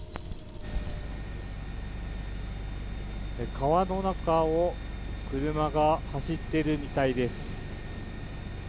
川の中を車が走っているみたいです。